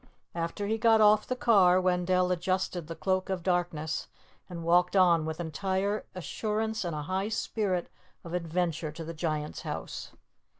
After he got off the car, Wendell adjusted the Cloak of Darkness, and walked on with entire assurance and a high spirit of adventure to the Giant's house.